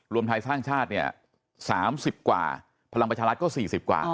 รวมไทยสร้างชาติเนี่ย๓๐กว่าพลังประชารัฐก็๔๐กว่า